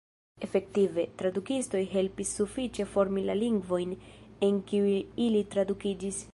Efektive, tradukistoj helpis sufiĉe formi la lingvojn en kiuj ili tradukiĝis.